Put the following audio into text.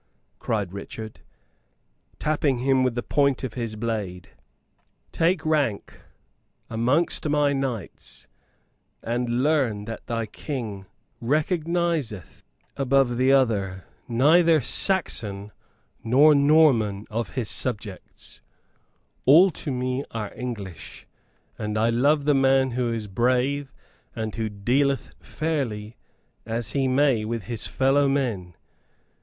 cried Richard, tapping him with the point of his blade. "Take rank amongst my knights, and learn that thy King recognizeth above the other neither Saxon nor Norman of his subjects all to me are English; and I love the man who is brave and who dealeth fairly as he may with his fellow men.